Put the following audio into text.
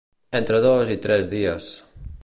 Entre dos i tres dies.